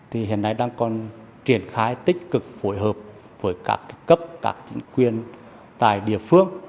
thì hiện nay đang còn triển khai tích cực phối hợp với các cấp các chính quyền tại địa phương